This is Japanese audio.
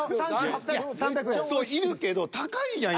そういるけど高いやん。